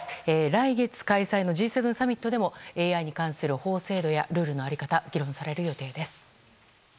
来月開催のＧ７サミットでもＡＩに関する法制度やルールの在り方議論される予定です。